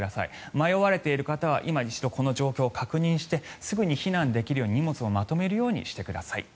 迷われている方はいま一度この状況を確認してすぐに避難できるよう荷物をまとめるようにしてください。